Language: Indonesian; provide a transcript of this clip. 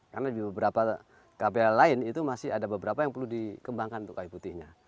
karena di beberapa kph lain itu masih ada beberapa yang perlu dikembangkan untuk kayu putihnya